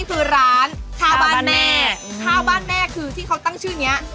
ข้าวบ้านแม่คือที่เขาตั้งชื่อนี้